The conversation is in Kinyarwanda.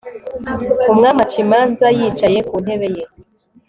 umwami aca imanza yicaye ku ntebe ye